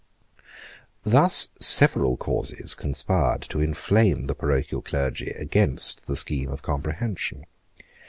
Thus several causes conspired to inflame the parochial clergy against the scheme of comprehension.